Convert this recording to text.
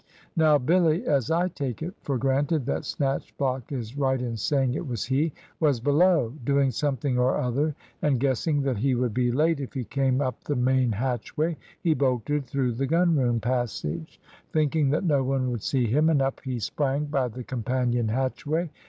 "Now Billy as I take it for granted that Snatchblock is right in saying it was he was below, doing something or other, and guessing that he would be late if he came up the main hatchway, he bolted through the gunroom passage, thinking that no one would see him, and up he sprang by the companion hatchway.